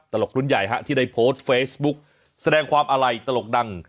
ตลกรุ่นใหญ่ฮะที่ได้โพสต์เฟซบุ๊กแสดงความอาลัยตลกดัง